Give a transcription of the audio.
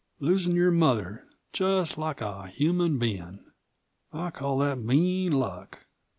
Losin' your mother just like a human bein'. I call that mean luck."